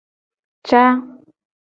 Ca.